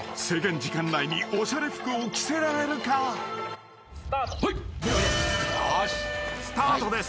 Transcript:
［制限時間内におしゃれ服を着せられるか？］スタート。